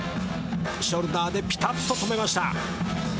ショルダーでピタッと止めました。